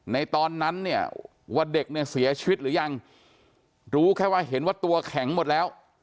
ตอนนั้นเนี่ยว่าเด็กเนี่ยเสียชีวิตหรือยังรู้แค่ว่าเห็นว่าตัวแข็งหมดแล้ว